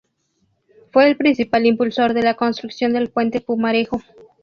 Fue el principal impulsor de la construcción del Puente Pumarejo.